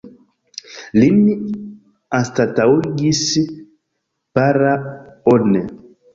Lin anstataŭigis Para One.